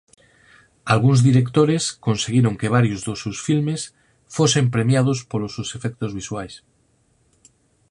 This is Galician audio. Algúns directores conseguiron que varios dos seus filmes fosen premiados polos seus efectos visuais.